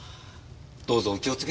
どうぞお気をつけて。